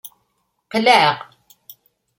Qelɛeɣ.